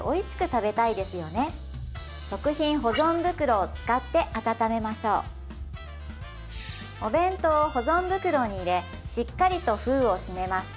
食品保存袋を使って温めましょうお弁当を保存袋に入れしっかりと封を閉めます